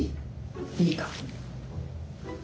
いいかも。